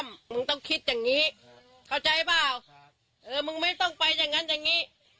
มึงต้องคิดอย่างนี้เข้าใจเปล่าเออมึงไม่ต้องไปอย่างนั้นอย่างนี้